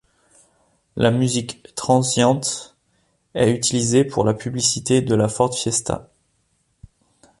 La musique Transient est utilisée pour la publicité de la Ford Fiesta.